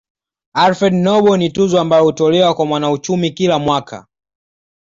Alfred Nobel ni tuzo ambayo hutolewa kwa mwanauchumi kila mwaka